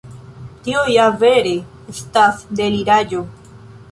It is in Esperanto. Tio ja vere estas deliraĵo.